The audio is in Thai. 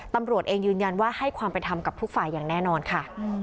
ตำรวจเองยืนยันว่าให้ความเป็นธรรมกับทุกฝ่ายอย่างแน่นอนค่ะ